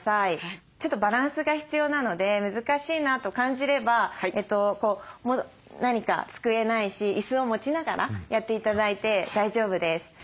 ちょっとバランスが必要なので難しいなと感じれば何か机ないし椅子を持ちながらやって頂いて大丈夫です。